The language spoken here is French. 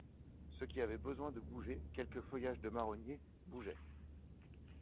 Ce qui avait besoin de bouger, quelque feuillage de marronnier, bougeait.